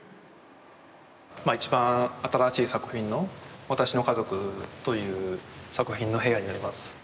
一番新しい作品の「私の家族」という作品の部屋になります。